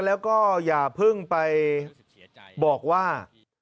แล้วก็อย่าเพิ่งไปบอกว่า